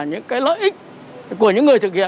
chúng ta đối thoại chủ quan một chiều